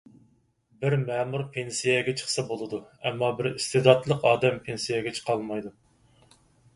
بىر مەمۇر پېنسىيەگە چىقسا بولىدۇ، ئەمما بىر ئىستېداتلىق ئادەم پېنسىيەگە چىقالمايدۇ.